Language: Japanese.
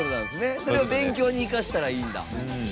それを勉強に生かしたらいいんだ。